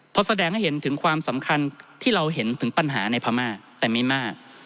เพราะแสดงให้เห็นถึงความสำคัญที่เราเห็นถึงปัญหาในพม่าแต่ไม่มาก